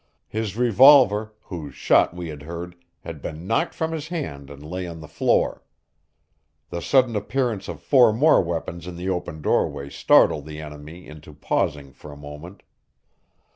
His revolver, whose shot we had heard, had been knocked from his hand and lay on the floor. The sudden appearance of four more weapons in the open doorway startled the enemy into pausing for a moment.